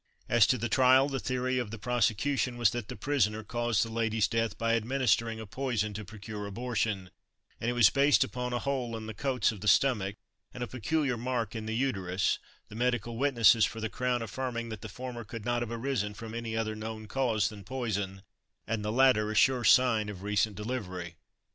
As to the trial, the theory of the prosecution was that the prisoner caused the lady's death by administering a poison to procure abortion, and it was based upon a hole in the coats of the stomach, and a peculiar mark in the uterus; the medical witnesses for the crown affirming that the former could not have arisen from any other known cause than poison, and the latter a sure sign of recent delivery.